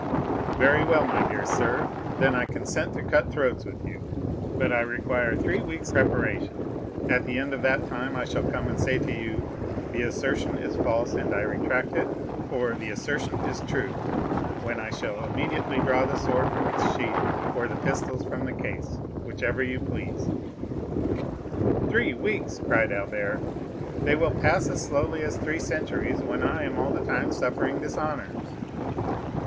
"Very well, my dear sir; then I consent to cut throats with you. But I require three weeks' preparation; at the end of that time I shall come and say to you, 'The assertion is false, and I retract it,' or 'The assertion is true,' when I shall immediately draw the sword from its sheath, or the pistols from the case, whichever you please." "Three weeks!" cried Albert; "they will pass as slowly as three centuries when I am all the time suffering dishonor."